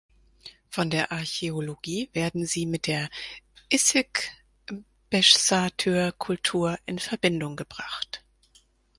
Von der Archäologie werden sie mit der Issyk-Beschsatyr-Kultur in Verbindung gebracht.